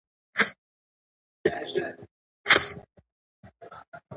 د سولې سیاست اوږدمهاله لید غواړي